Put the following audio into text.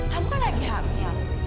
kamu kan lagi hamil